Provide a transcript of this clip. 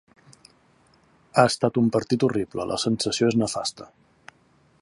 Ha estat un partit horrible, la sensació és nefasta.